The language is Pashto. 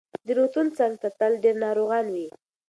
د روغتون څنګ ته تل ډېر ناروغان وي.